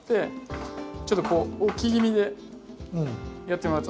ちょっとこう置き気味でやってもらうと。